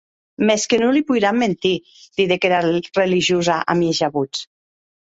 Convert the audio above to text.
Mès que non li poiram mentir, didec era religiosa, a mieja votz.